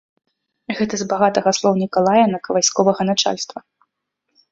Гэта з багатага слоўніка лаянак вайсковага начальства.